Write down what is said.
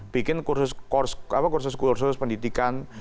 bikin kursus kursus pendidikan